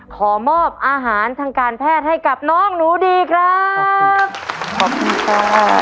ขอมอบอาหารทางการแพทย์ให้กับน้องหนูดีครับขอบคุณค่ะ